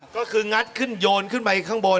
ก็คืองัดขึ้นโยนขึ้นไปข้างบน